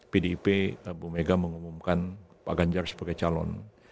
pdip bu mega mengumumkan pak ganjar sebagai calon